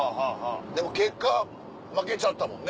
でも結果負けちゃったもんね。